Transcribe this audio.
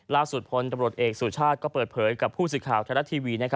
ล่าสุดพนตร์ตำรวจเอกสูตรชาติก็เปิดเผยกับผู้สิทธิ์ข่าวทะละทีวี